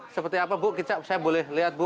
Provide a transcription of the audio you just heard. seperti apa bu kicap saya boleh lihat bu